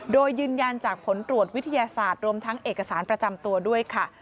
โดยยืนยันจากผลตรวจวิทยาศาสตร์รวมทั้งเอกสารประจำตัวด้วยค่ะ